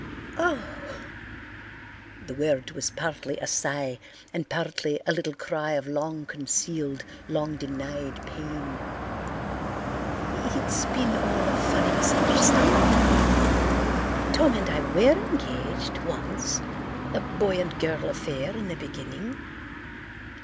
"Oh!" The word was partly a sigh and partly a little cry of long concealed, long denied pain. "It's been all a funny misunderstanding. Tom and I were engaged once—a boy and girl affair in the beginning.